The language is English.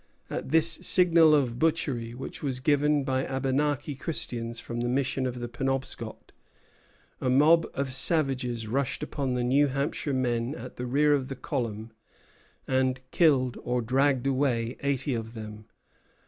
At this signal of butchery, which was given by Abenaki Christians from the mission of the Penobscot, a mob of savages rushed upon the New Hampshire men at the rear of the column, and killed or dragged away eighty of them.